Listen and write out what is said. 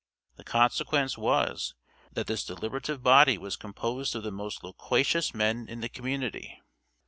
The consequence was, that this deliberative body was composed of the most loquacious men in the community.